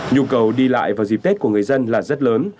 nhu cầu đi lại vào dịp tết của người dân là rất lớn